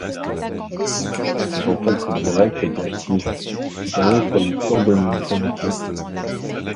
Ses ancêtres directs étaient actifs notamment comme cordonniers ou sabotiers.